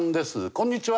こんにちは！